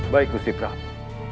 baik gusti pramu